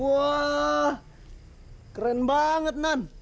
wah keren banget non